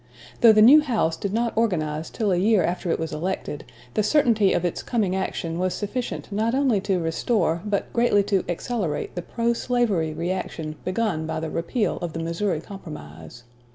Though the new House did not organize till a year after it was elected, the certainty of its coming action was sufficient not only to restore, but greatly to accelerate the pro slavery reaction begun by the repeal of the Missouri Compromise.